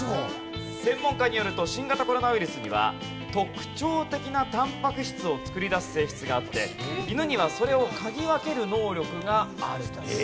専門家によると新型コロナウイルスには特徴的なタンパク質を作り出す性質があって犬にはそれを嗅ぎ分ける能力があると。